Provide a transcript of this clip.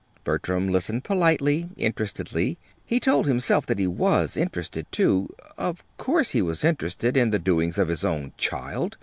Bertram listened politely, interestedly. He told himself that he was interested, too. Of course he was interested in the doings of his own child!